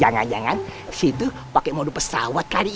jangan jangan situ pake mode pesawat kali ya